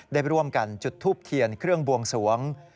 ได้ร่วมกันจุดทูบเทียนเครื่องบวงสวง